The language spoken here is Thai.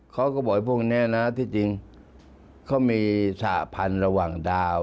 เขาก็บอกพวกนี้นะที่จริงเขามีสหพันธุ์ระหว่างดาว